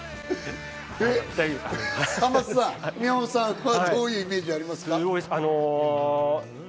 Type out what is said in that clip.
濱津さん、宮本さんはどういうイメージがありますか？